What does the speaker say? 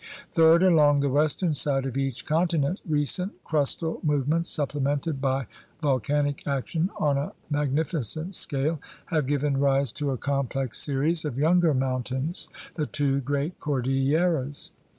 Third, along the western side of each continent recent crustal movements supplemented by vol canic action on a magnificent scale have given rise to a complex series of younger mountains, the two great cordilleras.